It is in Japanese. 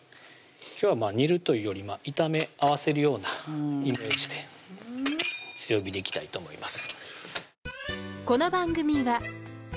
今日は煮るというより炒め合わせるようなイメージで強火でいきたいと思います